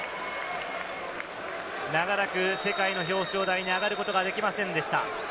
長らく世界の表彰台に上がることができませんでした。